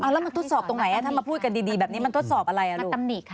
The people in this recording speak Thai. ถ้ามันทดสอบตรงไหนอะถ้ามาพูดกันดีแบบนี้มันทดสอบอะไรอะลูก